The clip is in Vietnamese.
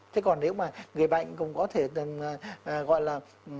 thế còn nếu mà người bệnh cũng có thể gọi là